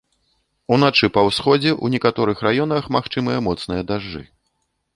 Уначы па ўсходзе ў некаторых раёнах магчымыя моцныя дажджы.